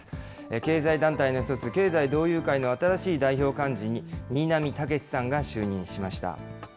経済団体の一つ、経済同友会の新しい代表幹事に新浪剛史さんが就任しました。